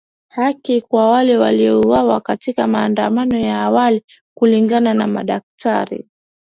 Haki kwa wale waliouawa katika maandamano ya awali kulingana na madaktari.